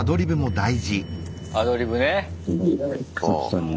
アドリブね。